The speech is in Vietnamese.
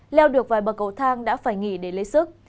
leo được vài bậc cầu thang đã phải nghỉ để lấy sức